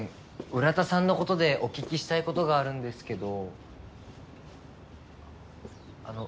浦田さんの事でお聞きしたい事があるんですけど。